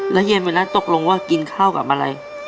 แล้วเย็นเวลาตกลงว่ากินข้าวกับอะไร